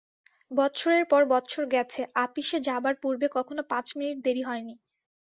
বৎসরের পর বৎসর গেছে, আপিসে যাবার পূর্বে কখনো পাঁচ মিনিট দেরি হয় নি।